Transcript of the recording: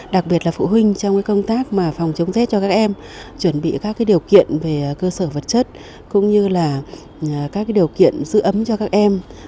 đặc biệt là phụ huynh trong công tác phòng chống rét cho các em chuẩn bị các điều kiện về cơ sở vật chất cũng như là các điều kiện giữ ấm cho các em